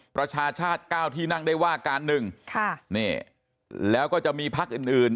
ประชาชาติ๙ที่นั่งได้ว่าการหนึ่งค่ะนี่แล้วก็จะมีพักอื่นอื่น